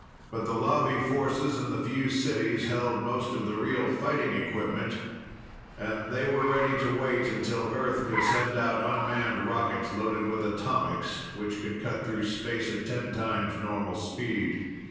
But the Lobby forces and the few cities held most of the real fighting equipment and they were ready to wait until Earth could send out unmanned rockets, loaded with atomics, which could cut through space at ten times normal speed.